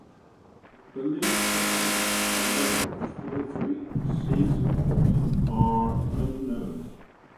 The league standings and records for the three seasons are unknown.